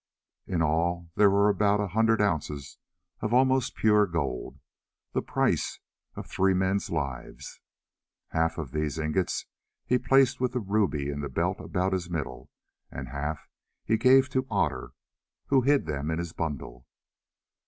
In all there were about a hundred ounces of almost pure gold—the price of three men's lives! Half of these ingots he placed with the ruby in the belt about his middle, and half he gave to Otter, who hid them in his bundle.